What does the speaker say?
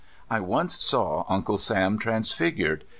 I once saw "Uncle Bam " transfigured.